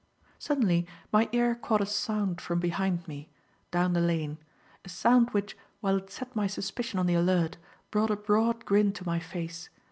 Suddenly my ear caught a sound from behind me, down the lane; a sound which, while it set my suspicion on the alert, brought a broad grin to my face.